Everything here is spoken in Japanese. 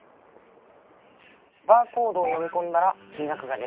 バーコードを読み込んだら金額が出るのね。